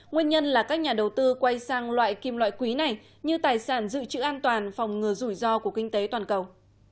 nguyên nhân là các nhà đầu tư quay sang loại kim loại quý này như tài sản dự trữ an toàn phòng ngừa rủi ro của kinh tế toàn cầu